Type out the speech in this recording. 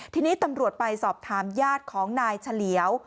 ทีนี้ตำรวจไปสอบถามญาติของนายเฉลียว